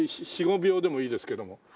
４５秒でもいいですけども。